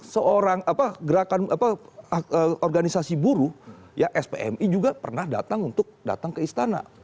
seorang gerakan organisasi buruh ya spmi juga pernah datang untuk datang ke istana